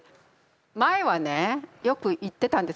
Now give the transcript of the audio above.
前はねよく言ってたんです。